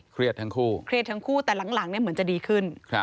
เครียดทั้งคู่แต่หลังเนี่ยเหมือนจะดีขึ้น